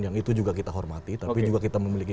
yang itu juga kita hormati tapi juga kita memiliki